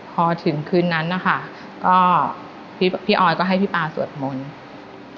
พอถึงคืนนั้นนะคะก็พี่ออยก็ให้พี่ป๊าสวดมนต์